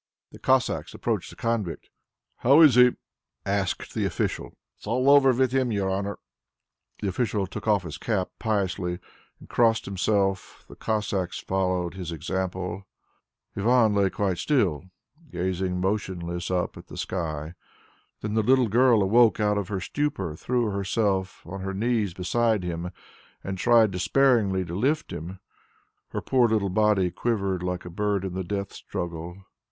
The Cossacks approached the convict. "How is he?" asked the official. "It is all over with him, your honour." The official took off his cap piously and crossed himself; the Cossacks followed his example. Ivan lay quite still, gazing motionless up at the sky. Then the little girl awoke out of her stupor, threw herself on her knees beside him, and tried despairingly to lift him; her poor little body quivered like a bird in the death struggle.